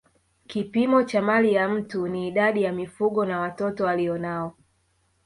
Kipimo cha mali ya mtu ni idadi ya mifugo na watoto alionao